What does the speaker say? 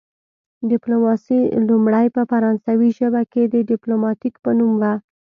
ډیپلوماسي لومړی په فرانسوي ژبه کې د ډیپلوماتیک په نوم وه